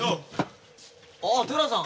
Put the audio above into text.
あっ寺さん。